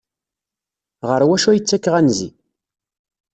Ɣer wacu ay ttakeɣ anzi?